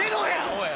おい！